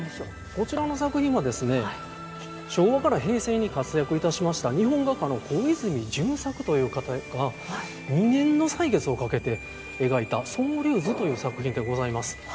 こちらの作品は昭和から平成に活躍いたしました日本画家の小泉淳作という方が２年の歳月をかけて描いた「双龍図」という作品でございます。